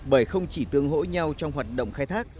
bởi không chỉ tương hỗ nhau trong hoạt động khai thác